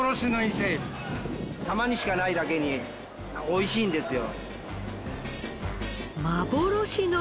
たまにしかないだけにおいしいんですよ。